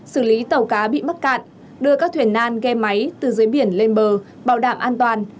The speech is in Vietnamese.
xử lý tàu cá bị mắc cạn đưa các thuyền nan ghe máy từ dưới biển lên bờ bảo đảm an toàn